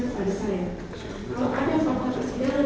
kepada saya kalau ada fakta persidangan